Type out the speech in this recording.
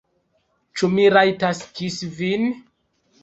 Ĉu mi rajtas kisi vin?